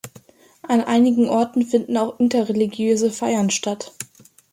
An einigen Orten finden auch interreligiöse Feiern statt.